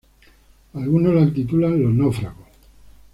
Algunos la titulan "Los náufragos".